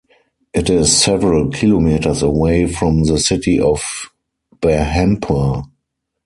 It is several kilometers away from the city of Berhampur.